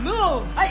はい！